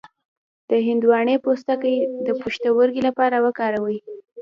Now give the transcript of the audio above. د هندواڼې پوستکی د پښتورګو لپاره وکاروئ